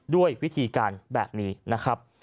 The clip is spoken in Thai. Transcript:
ด้วยวิธีการแบบนี้นะครับ